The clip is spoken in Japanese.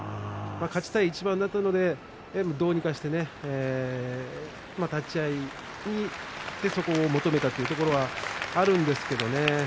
勝ちたい一番だったのでどうにかして立ち合い、そこを求めたというところはあるんですけれどもね